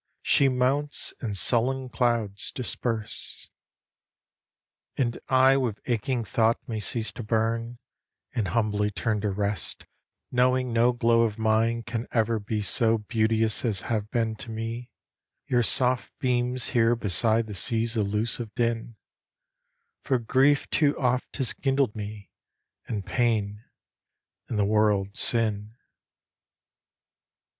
she mounts, and sullen clouds disperse. And I with aching thought may cease to burn, And humbly turn to rest knowing no glow of mine Can ever be so beauteous as have been to me Your soft beams here beside the sea's elusive din: For grief too oft has kindled me, and pain, and the world's sin.